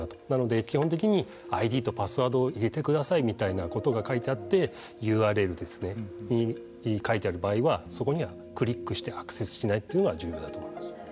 なので基本的にＩＤとパスワードを入れてくださいみたいなことが書いてあってＵＲＬに書いてある場合はそこにはクリックしてアクセスしないというのが重要だと思います。